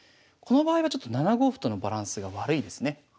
この場合はちょっと７五歩とのバランスが悪いですね。